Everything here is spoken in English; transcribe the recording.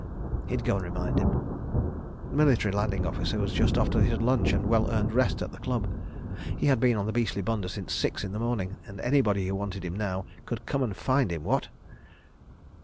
He'd go and remind him. The Military Landing Officer was just off to his lunch and well earned rest at the Club. He had been on the beastly bunder since six in the morning—and anybody who wanted him now could come and find him, what?